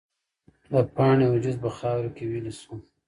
د پاڼې وجود په خاوره کې ویلې شو.